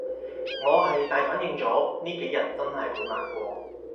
我係大反應咗，呢幾日真係好難過